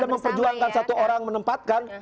memperjuangkan satu orang menempatkan